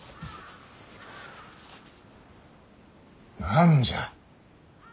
何じゃ。